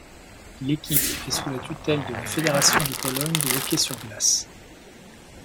L'équipe est sous la tutelle de la Fédération de Pologne de hockey sur glace.